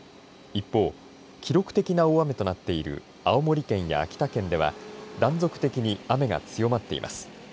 一方、記録的な大雨となっている青森県や秋田県では断続的に雨が強まっています。